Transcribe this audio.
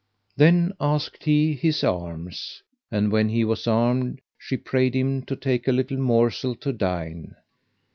Then asked he his arms. And when he was armed she prayed him to take a little morsel to dine.